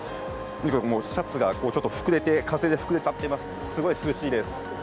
シャツがちょっと風で膨れちゃっています。